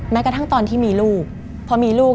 มันกลายเป็นรูปของคนที่กำลังขโมยคิ้วแล้วก็ร้องไห้อยู่